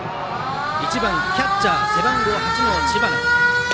１番キャッチャー背番号８の知花。